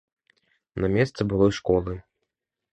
На месцы былой школы.